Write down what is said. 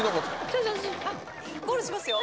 あっゴールしますよ